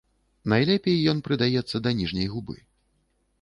Найлепей ён прыдаецца да ніжняй губы.